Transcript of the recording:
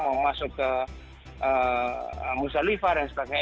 atau mau masuk ke musa lifar dan sebagainya